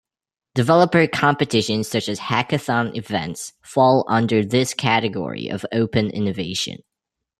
Developer competitions such as hackathon events fall under this category of open innovation.